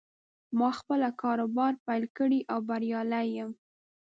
ما خپله کاروبار پیل کړې او بریالی یم